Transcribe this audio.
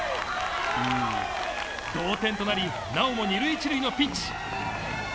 同点となりなおも２塁１塁のピンチ。